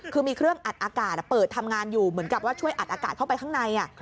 คือมีเครื่องอัดอากาศเปิดทำงานอยู่เหมือนกับว่าช่วยอัดอากาศเข้าไปข้างใน